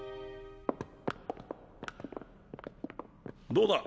どうだ？